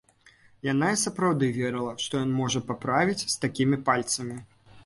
Яна і сапраўды верыла, што ён можа паправіць з такімі пальцамі.